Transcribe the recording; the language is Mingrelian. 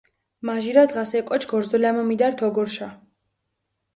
მაჟირა დღას ე კოჩქჷ ორზოლამო მიდართჷ ოგორჷშა.